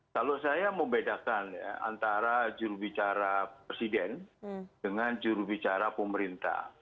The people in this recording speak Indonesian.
kalau saya membedakan antara jurubicara presiden dengan jurubicara pemerintah